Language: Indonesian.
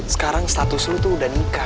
sekarang status lu tuh udah nikah